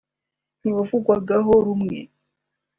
ntiwavugwagaho rumwe